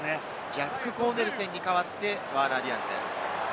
ジャック・コーネルセンに代わってワーナー・ディアンズです。